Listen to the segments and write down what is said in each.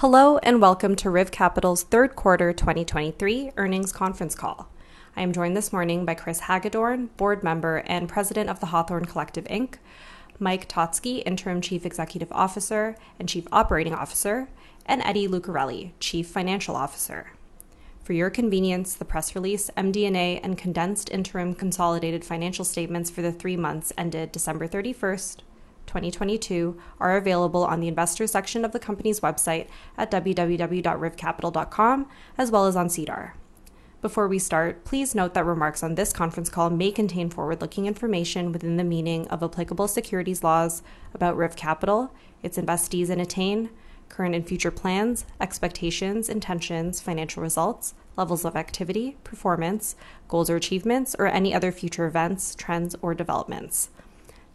Hello and welcome to RIV Capital's third quarter 2023 earnings conference call. I am joined this morning by Chris Hagedorn, Board Member and President of The Hawthorne Collective, Inc., Mike Totzke, Interim Chief Executive Officer and Chief Operating Officer, and Eddie Lucarelli, Chief Financial Officer. For your convenience, the press release, MD&A, and condensed interim consolidated financial statements for the three months ended December 31st, 2022 are available on the investors section of the company's website at www.rivcapital.com, as well as on SEDAR. Before we start, please note that remarks on this conference call may contain forward-looking information within the meaning of applicable securities laws about RIV Capital, its investees in Etain, current and future plans, expectations, intentions, financial results, levels of activity, performance, goals or achievements, or any other future events, trends, or developments.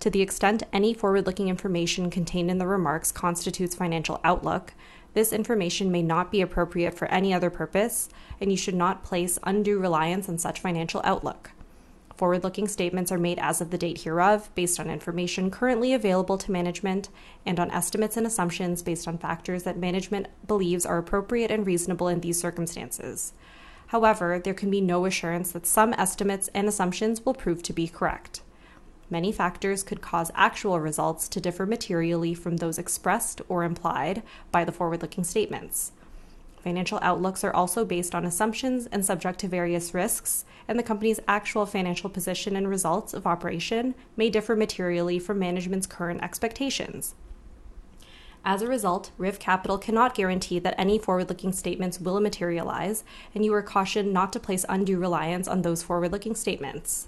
To the extent any forward-looking information contained in the remarks constitutes financial outlook, this information may not be appropriate for any other purpose, and you should not place undue reliance on such financial outlook. Forward-looking statements are made as of the date hereof based on information currently available to management and on estimates and assumptions based on factors that management believes are appropriate and reasonable in these circumstances. However, there can be no assurance that some estimates and assumptions will prove to be correct. Many factors could cause actual results to differ materially from those expressed or implied by the forward-looking statements. Financial outlooks are also based on assumptions and subject to various risks, and the company's actual financial position and results of operation may differ materially from management's current expectations. As a result, RIV Capital cannot guarantee that any forward-looking statements will materialize, and you are cautioned not to place undue reliance on those forward-looking statements.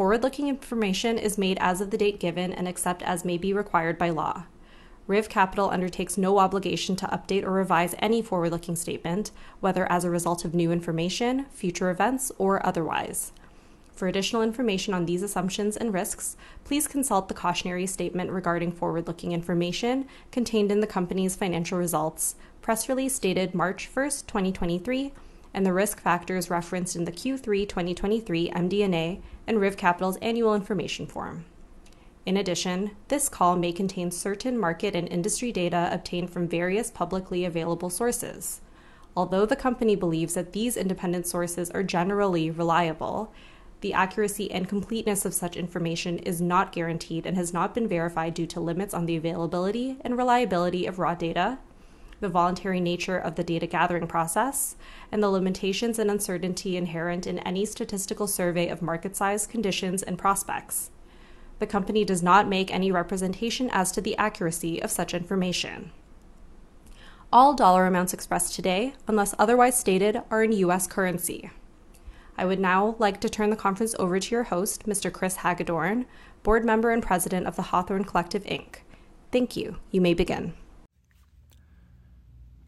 Forward-looking information is made as of the date given and except as may be required by law. RIV Capital undertakes no obligation to update or revise any forward-looking statement, whether as a result of new information, future events, or otherwise. For additional information on these assumptions and risks, please consult the cautionary statement regarding forward-looking information contained in the company's financial results press release dated March 1st, 2023, and the risk factors referenced in the Q3 2023 MD&A and RIV Capital's annual information form. In addition, this call may contain certain market and industry data obtained from various publicly available sources. Although the company believes that these independent sources are generally reliable, the accuracy and completeness of such information is not guaranteed and has not been verified due to limits on the availability and reliability of raw data, the voluntary nature of the data gathering process, and the limitations and uncertainty inherent in any statistical survey of market size, conditions, and prospects. The company does not make any representation as to the accuracy of such information. All dollar amounts expressed today, unless otherwise stated, are in U.S. Currency. I would now like to turn the conference over to your host, Mr. Chris Hagedorn, Board Member and President of The Hawthorne Collective, Inc. Thank you. You may begin.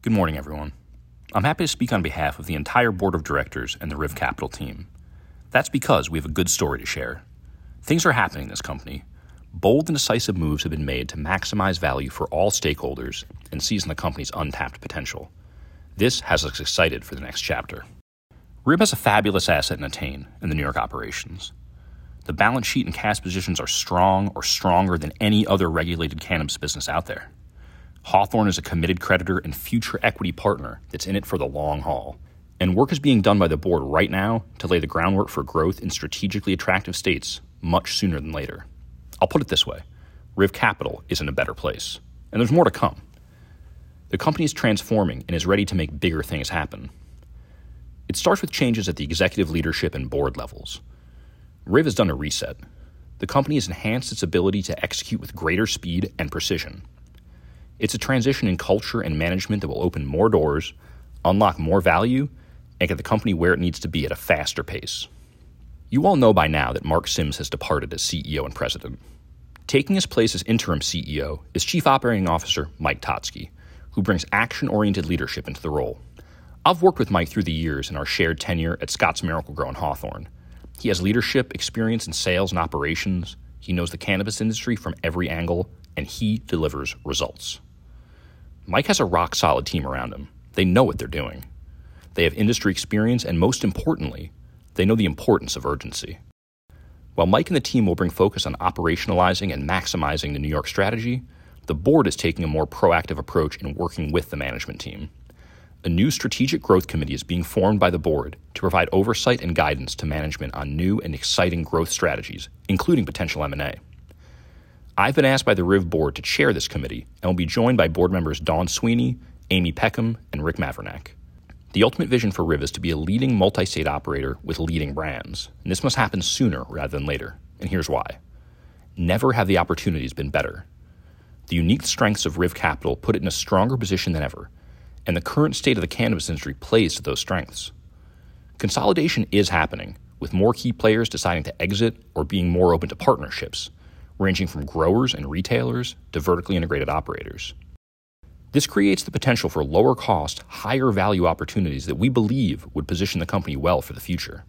Good morning, everyone. I'm happy to speak on behalf of the entire board of directors and the RIV Capital team. That's because we have a good story to share. Things are happening in this company. Bold and decisive moves have been made to maximize value for all stakeholders and seize the company's untapped potential. This has us excited for the next chapter. RIV has a fabulous asset in Etain in the New York operations. The balance sheet and cash positions are strong or stronger than any other regulated cannabis business out there. Hawthorne is a committed creditor and future equity partner that's in it for the long haul, and work is being done by the board right now to lay the groundwork for growth in strategically attractive states much sooner than later. I'll put it this way, RIV Capital is in a better place, and there's more to come. The company is transforming and is ready to make bigger things happen. It starts with changes at the executive leadership and board levels. RIV has done a reset. The company has enhanced its ability to execute with greater speed and precision. It's a transition in culture and management that will open more doors, unlock more value, and get the company where it needs to be at a faster pace. You all know by now that Mark Sims has departed as CEO and President. Taking his place as Interim CEO is Chief Operating Officer Mike Totzke, who brings action-oriented leadership into the role. I've worked with Mike through the years in our shared tenure at Scotts Miracle-Gro and Hawthorne. He has leadership experience in sales and operations. He knows the cannabis industry from every angle, and he delivers results. Mike has a rock-solid team around him. They know what they're doing. They have industry experience, and most importantly, they know the importance of urgency. While Mike and the team will bring focus on operationalizing and maximizing the New York strategy, the board is taking a more proactive approach in working with the management team. A new strategic growth committee is being formed by the board to provide oversight and guidance to management on new and exciting growth strategies, including potential M&A. I've been asked by the RIV board to chair this committee and will be joined by board members Dawn Sweeney, Amy Peckham, and Rick Mavrinac. The ultimate vision for RIV is to be a leading multi-state operator with leading brands, and this must happen sooner rather than later, and here's why. Never have the opportunities been better. The unique strengths of RIV Capital put it in a stronger position than ever, and the current state of the cannabis industry plays to those strengths. Consolidation is happening, with more key players deciding to exit or being more open to partnerships, ranging from growers and retailers to vertically integrated operators. This creates the potential for lower cost, higher value opportunities that we believe would position the company well for the future.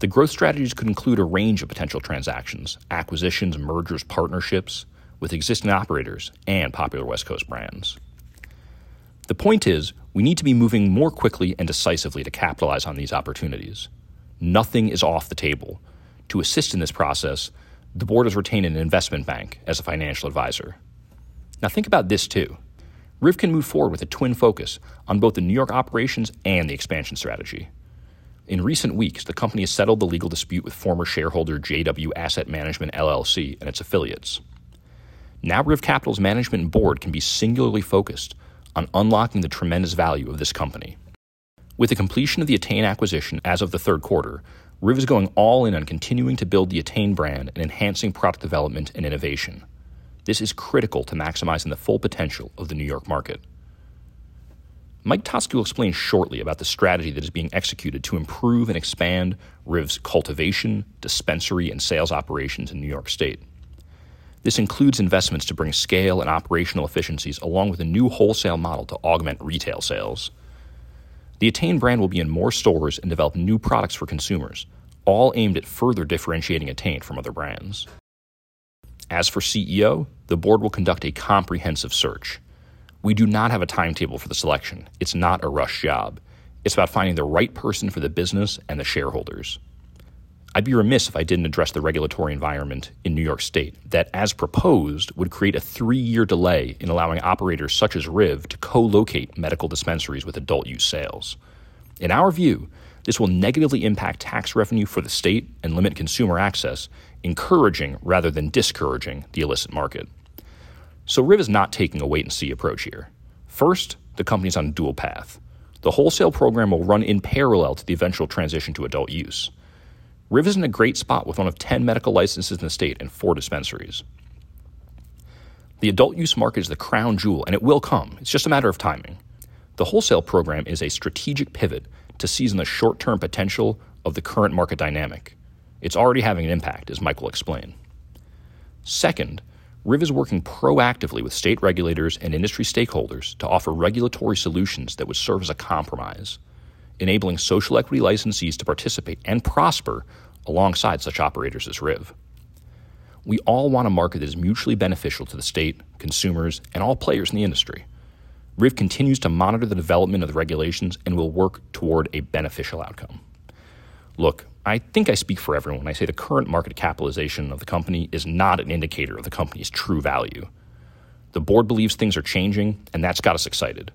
The growth strategies could include a range of potential transactions, acquisitions, mergers, partnerships with existing operators and popular West Coast brands. The point is, we need to be moving more quickly and decisively to capitalize on these opportunities. Nothing is off the table. To assist in this process, the board has retained an investment bank as a financial advisor. Now, think about this too. Riv can move forward with a twin focus on both the New York operations and the expansion strategy. In recent weeks, the company has settled the legal dispute with former shareholder JW Asset Management LLC and its affiliates. Riv Capital's management board can be singularly focused on unlocking the tremendous value of this company. With the completion of the Etain acquisition as of the third quarter, Riv is going all in on continuing to build the Etain brand and enhancing product development and innovation. This is critical to maximizing the full potential of the New York market. Mike Totzke will explain shortly about the strategy that is being executed to improve and expand Riv's cultivation, dispensary, and sales operations in New York State. This includes investments to bring scale and operational efficiencies, along with a new wholesale model to augment retail sales. The Etain brand will be in more stores and develop new products for consumers, all aimed at further differentiating Etain from other brands. For CEO, the board will conduct a comprehensive search. We do not have a timetable for the selection. It's not a rush job. It's about finding the right person for the business and the shareholders. I'd be remiss if I didn't address the regulatory environment in New York State that, as proposed, would create a three-year delay in allowing operators such as RIV to co-locate medical dispensaries with adult use sales. In our view, this will negatively impact tax revenue for the state and limit consumer access, encouraging rather than discouraging the illicit market. RIV is not taking a wait and see approach here. First, the company's on dual path. The wholesale program will run in parallel to the eventual transition to adult use. RIV is in a great spot with one of 10 medical licenses in the state and four dispensaries. The adult use market is the crown jewel. It will come. It's just a matter of timing. The wholesale program is a strategic pivot to seizing the short-term potential of the current market dynamic. It's already having an impact, as Mike will explain. Second, RIV is working proactively with state regulators and industry stakeholders to offer regulatory solutions that would serve as a compromise, enabling social equity licensees to participate and prosper alongside such operators as RIV. We all want a market that is mutually beneficial to the state, consumers, and all players in the industry. RIV continues to monitor the development of the regulations and will work toward a beneficial outcome. Look, I think I speak for everyone when I say the current market capitalization of the company is not an indicator of the company's true value. The board believes things are changing, and that's got us excited.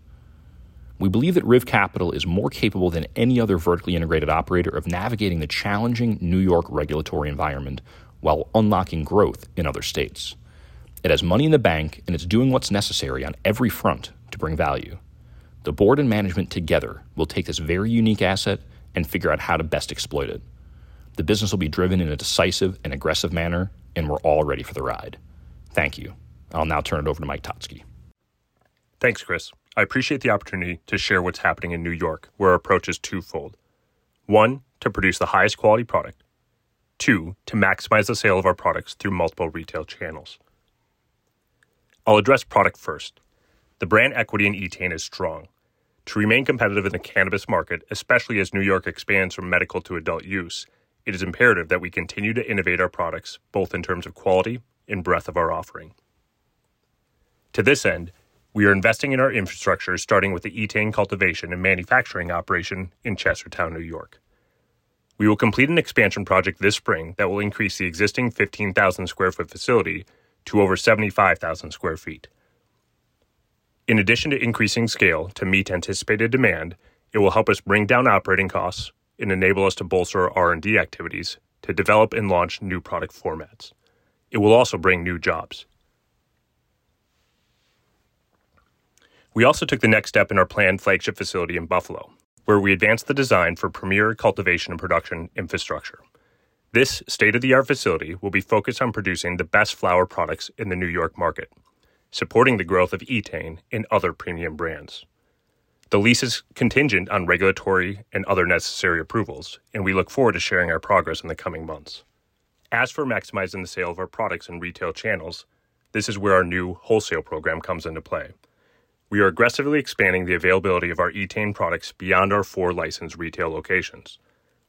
We believe that RIV Capital is more capable than any other vertically integrated operator of navigating the challenging New York regulatory environment while unlocking growth in other states. It has money in the bank, and it's doing what's necessary on every front to bring value. The board and management together will take this very unique asset and figure out how to best exploit it. The business will be driven in a decisive and aggressive manner, and we're all ready for the ride. Thank you. I'll now turn it over to Mike Totzke. Thanks, Chris. I appreciate the opportunity to share what's happening in New York, where our approach is twofold. One, to produce the highest quality product. Two, to maximize the sale of our products through multiple retail channels. I'll address product first. The brand equity in Etain is strong. To remain competitive in the cannabis market, especially as New York expands from medical to adult use, it is imperative that we continue to innovate our products, both in terms of quality and breadth of our offering. To this end, we are investing in our infrastructure, starting with the Etain cultivation and manufacturing operation in Chestertown, New York. We will complete an expansion project this spring that will increase the existing 15,000 square foot facility to over 75,000 square feet. In addition to increasing scale to meet anticipated demand, it will help us bring down operating costs and enable us to bolster R&D activities to develop and launch new product formats. It will also bring new jobs. We also took the next step in our planned flagship facility in Buffalo, where we advanced the design for premier cultivation and production infrastructure. This state-of-the-art facility will be focused on producing the best flower products in the New York market, supporting the growth of Etain and other premium brands. The lease is contingent on regulatory and other necessary approvals; we look forward to sharing our progress in the coming months. As for maximizing the sale of our products in retail channels, this is where our new wholesale program comes into play. We are aggressively expanding the availability of our Etain products beyond our four licensed retail locations.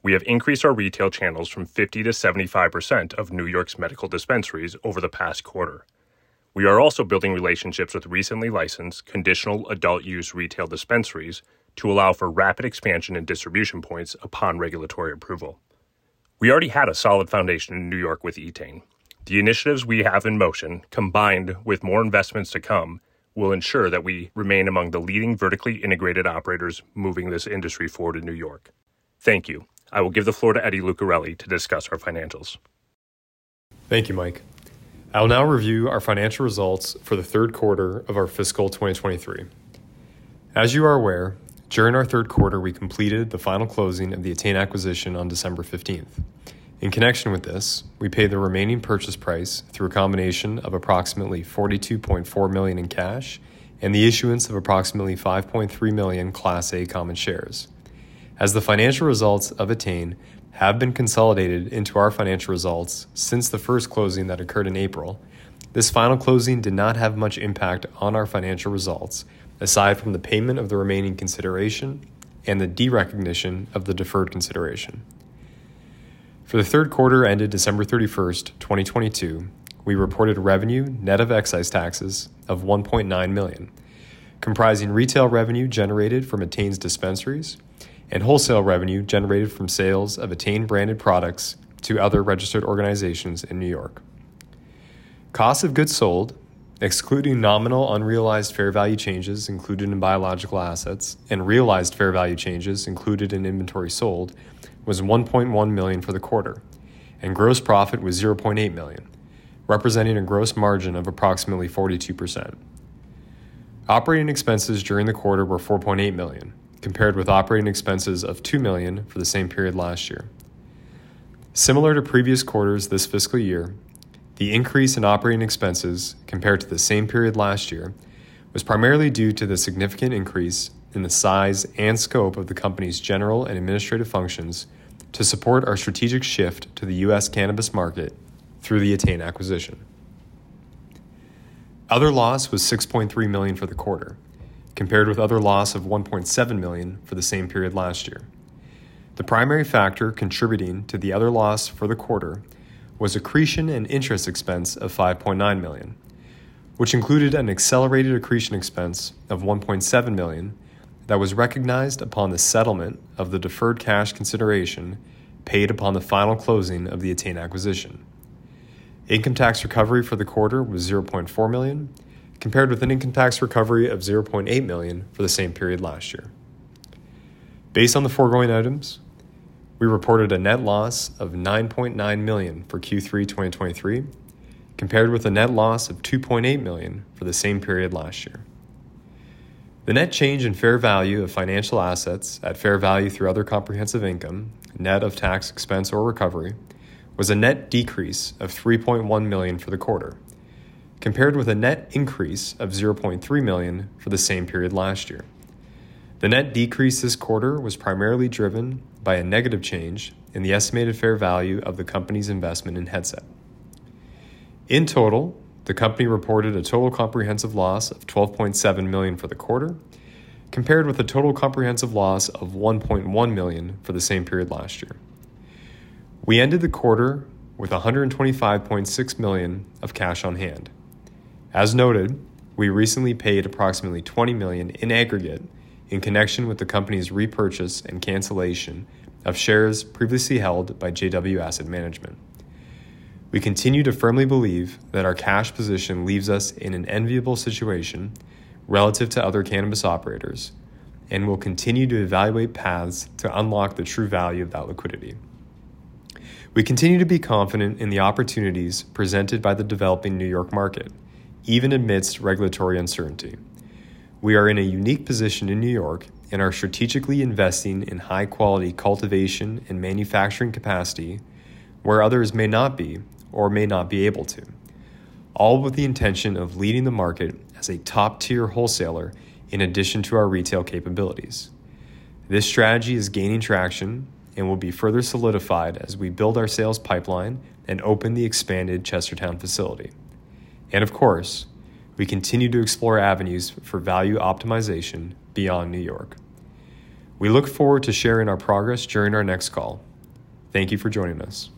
We have increased our retail channels from 50%-75% of New York's medical dispensaries over the past quarter. We are also building relationships with recently licensed conditional adult use retail dispensaries to allow for rapid expansion and distribution points upon regulatory approval. We already had a solid foundation in New York with Etain. The initiatives we have in motion, combined with more investments to come, will ensure that we remain among the leading vertically integrated operators moving this industry forward in New York. Thank you. I will give the floor to Eddie Lucarelli to discuss our financials. Thank you, Mike. I will now review our financial results for the third quarter of our fiscal 2023. As you are aware, during our third quarter, we completed the final closing of the Etain acquisition on December 15th. In connection with this, we paid the remaining purchase price through a combination of approximately $42.4 million in cash and the issuance of approximately 5.3 million Class A common shares. As the financial results of Etain have been consolidated into our financial results since the first closing that occurred in April, this final closing did not have much impact on our financial results, aside from the payment of the remaining consideration and the derecognition of the deferred consideration. For the third quarter ended December 31st, 2022 We reported revenue net of excise taxes of $1.9 million, comprising retail revenue generated from Etain's dispensaries and wholesale revenue generated from sales of Etain-branded products to other Registered Organizations in New York. Cost of goods sold, excluding nominal unrealized fair value changes included in biological assets and realized fair value changes included in inventory sold, was $1.1 million for the quarter, and gross profit was $0.8 million, representing a gross margin of approximately 42%. Operating expenses during the quarter were $4.8 million, compared with operating expenses of $2 million for the same period last year. Similar to previous quarters this fiscal year, the increase in operating expenses compared to the same period last year was primarily due to the significant increase in the size and scope of the company's general and administrative functions to support our strategic shift to the U.S. cannabis market through the Etain acquisition. Other loss was $6.3 million for the quarter, compared with other loss of $1.7 million for the same period last year. The primary factor contributing to the other loss for the quarter was accretion and interest expense of $5.9 million, which included an accelerated accretion expense of $1.7 million that was recognized upon the settlement of the deferred cash consideration paid upon the final closing of the Etain acquisition. Income tax recovery for the quarter was $0.4 million, compared with an income tax recovery of $0.8 million for the same period last year. Based on the foregoing items, we reported a net loss of $9.9 million for Q3 2023, compared with a net loss of $2.8 million for the same period last year. The net change in fair value of financial assets at fair value through other comprehensive income, net of tax expense or recovery, was a net decrease of $3.1 million for the quarter, compared with a net increase of $0.3 million for the same period last year. The net decreases this quarter was primarily driven by a negative change in the estimated fair value of the company's investment in Headset. In total, the company reported a total comprehensive loss of $12.7 million for the quarter, compared with a total comprehensive loss of $1.1 million for the same period last year. We ended the quarter with $125.6 million of cash on hand. As noted, we recently paid approximately $20 million in aggregate in connection with the company's repurchase and cancellation of shares previously held by JW Asset Management. We continue to firmly believe that our cash position leaves us in an enviable situation relative to other cannabis operators and will continue to evaluate paths to unlock the true value of that liquidity. We continue to be confident in the opportunities presented by the developing New York market, even amidst regulatory uncertainty. We are in a unique position in New York and are strategically investing in high-quality cultivation and manufacturing capacity where others may not be or may not be able to, all with the intention of leading the market as a top-tier wholesaler in addition to our retail capabilities. This strategy is gaining traction and will be further solidified as we build our sales pipeline and open the expanded Chestertown facility. Of course, we continue to explore avenues for value optimization beyond New York. We look forward to sharing our progress during our next call. Thank you for joining us.